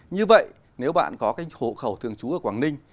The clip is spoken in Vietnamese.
như vậy nếu bạn có hộ khẩu thường trú ở quảng ninh